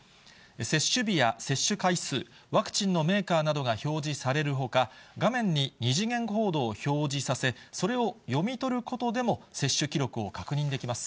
接種日や接種回数、ワクチンのメーカーなどが表示されるほか、画面に二次元コードを表示させ、それを読み取ることでも接種記録を確認できます。